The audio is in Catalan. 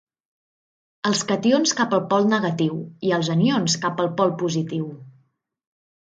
Els cations cap al pol negatiu i els anions cap al pol positiu.